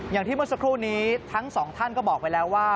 อย่างที่เมื่อสักครู่นี้ทั้งสองท่านก็บอกไปแล้วว่า